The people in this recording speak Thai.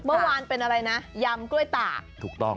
เมื่อวานเป็นอะไรนะยำกล้วยตาก